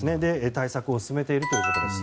対策を進めているということです。